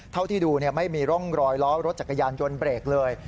เท่าที่ดูไม่มีร่องรอยล้อรถจักรยานยนต์เบรกเลย